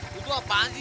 lo tuh apaan sih